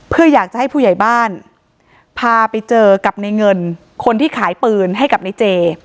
เพื่ออยากจะให้ผู้ใหญ่บ้านพาไปเจอกับในเงินคนที่ขายปืนให้กับในเจ